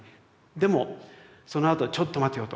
でもそのあとちょっと待てよと。